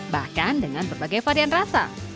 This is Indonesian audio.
bahkan dengan berbagai varian rasa